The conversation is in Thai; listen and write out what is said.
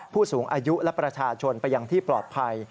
ผู้สูงอายุและประชาชนไปอย่างที่ปลอดภัย